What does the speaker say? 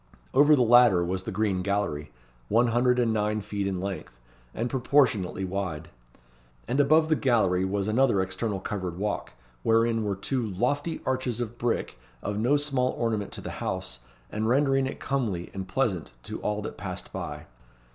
Over the latter was the Green Gallery, one hundred and nine feet in length, and proportionately wide. And above the gallery was another external covered walk, wherein were two "lofty arches of brick, of no small ornament to the house, and rendering it comely and pleasant to all that passed by."